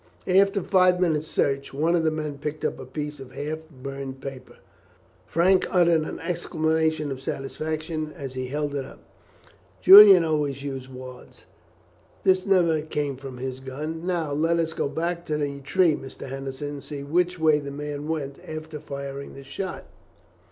After five minutes' search one of the men picked up a piece of half burned paper. Frank uttered an exclamation of satisfaction as he held it up. "Julian always used wads. This never came from his gun. Now let us go back to the tree, Mr. Henderson, and see which way the man went after firing the shot."